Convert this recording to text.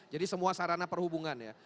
jadi semua sarana perhubungan ya